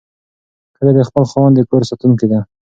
ښځه د خپل خاوند د کور ساتونکې ده.